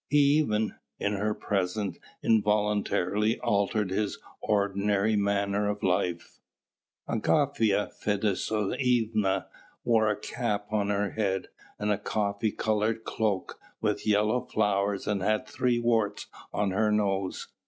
He even, in her presence, involuntarily altered his ordinary manner of life. Agafya Fedosyevna wore a cap on her head, and a coffee coloured cloak with yellow flowers and had three warts on her nose.